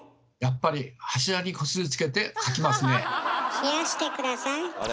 冷やして下さい。